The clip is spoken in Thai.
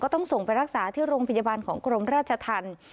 ต้องส่งไปรักษาที่โรงพยาบาลของกรมราชธรรม